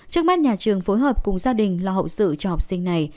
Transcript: trước mắt nhà trường phối hợp cùng gia đình lo hậu sự cho học sinh này